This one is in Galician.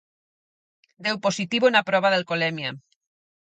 Deu positivo na proba de alcolemia.